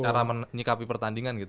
cara menyikapi pertandingan gitu